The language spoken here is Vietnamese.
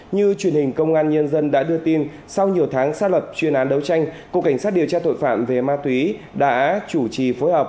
như truyền hình công an nhân dân đã đưa tin sau nhiều tháng xác lập chuyên án đấu tranh cục cảnh sát điều tra tội phạm về ma túy đã chủ trì phối hợp